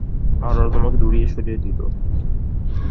আর ওরা তোমাকে দূরে সরিয়ে দিল?